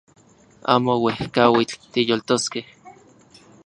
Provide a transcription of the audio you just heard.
Amo uejkauitl tiyoltoskej